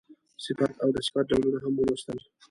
صفت او د صفت ډولونه هم ولوستل.